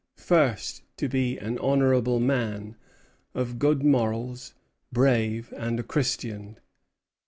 "First, to be an honorable man, of good morals, brave, and a Christian.